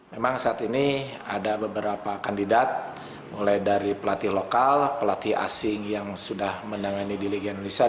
memang saat ini ada beberapa kandidat mulai dari pelatih lokal pelatih asing yang sudah menangani di liga indonesia